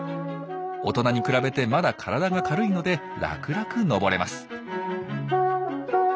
大人に比べてまだ体が軽いので楽々登れます。